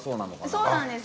そうなんです。